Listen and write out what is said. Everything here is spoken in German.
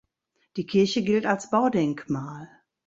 Die Kirche gilt als Baudenkmal.